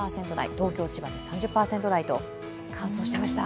東京、千葉で３０％台と乾燥していました。